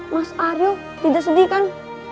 mas aryo tidak sedih kan